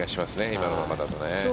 今のままだとね。